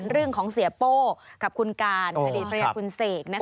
เรื่องของเสียเป้ากับคนการสดิทัยภรรยากลุ้นเสก